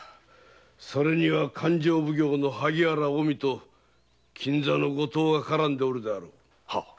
それには勘定奉行の萩原近江と金座の後藤が絡んでおるであろう？